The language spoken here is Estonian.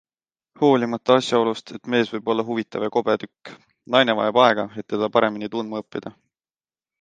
Hoolimata asjaolust, et mees võib olla huvitav ja kobe tükk - naine vajab aega, et teda paremini tundma õppida.